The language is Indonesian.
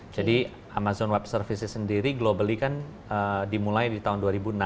jadi amazon web services sendiri globally kan dimulai di tahun dua ribu enam